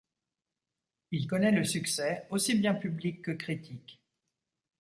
Il connaît le succès, aussi bien public que critique.